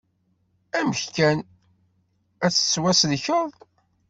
Amen kan, ad tettwasellkeḍ.